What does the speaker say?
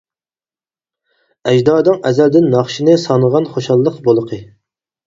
ئەجدادىڭ ئەزەلدىن ناخشىنى سانىغان خۇشاللىق بۇلىقى.